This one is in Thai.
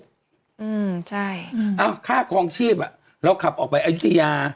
อืมใช่อ้าวค่าคลองชีพอ่ะเราขับออกไปอายุทยา